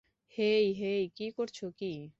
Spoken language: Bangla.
হেই, হেই, কী করছো কী?